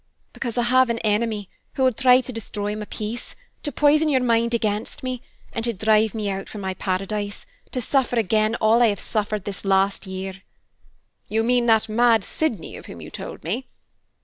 "Because I have an enemy who will try to destroy my peace, to poison your mind against me, and to drive me out from my paradise, to suffer again all I have suffered this last year." "You mean that mad Sydney of whom you told me?"